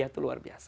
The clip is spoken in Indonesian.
ayah itu luar biasa